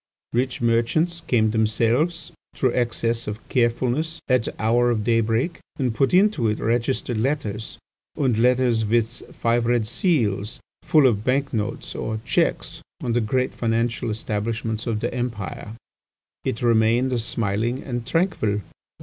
"Rich merchants came themselves through excess of carefulness at the hour of daybreak, and put into it registered letters, and letters with five red seals, full of bank notes or cheques on the great financial establishments of the Empire. It remained smiling and tranquil.